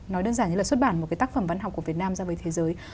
nói đơn giản như là xuất bản một cái tác phẩm văn học của việt nam ra với thế giới